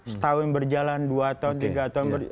setahun berjalan dua tahun tiga tahun